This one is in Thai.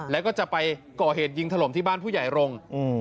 แล้วก็จะไปก่อเหตุยิงถล่มที่บ้านผู้ใหญ่รงค์